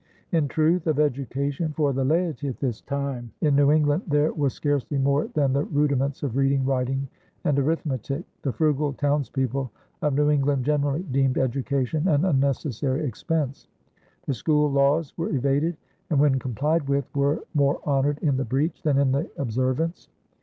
In truth, of education for the laity at this time in New England there was scarcely more than the rudiments of reading, writing, and arithmetic. The frugal townspeople of New England generally deemed education an unnecessary expense; the school laws were evaded, and when complied with were more honored in the breach than in the observance.